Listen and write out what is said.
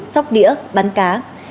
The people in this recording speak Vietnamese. sóc đĩa bắn cá